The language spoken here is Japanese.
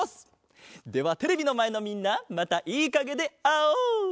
ではテレビのまえのみんなまたいいかげであおう！